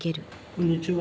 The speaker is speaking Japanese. こんにちは。